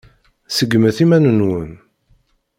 Seggmet iman-nwen.